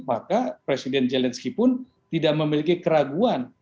maka presiden zelensky pun tidak memiliki keraguan